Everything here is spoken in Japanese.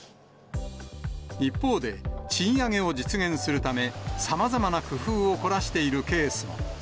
一方で、賃上げを実現するため、さまざまな工夫を凝らしているケースも。